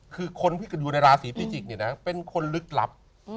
คือคนที่อยู่ในราศีพิจิกเนี่ยนะเป็นคนลึกลับ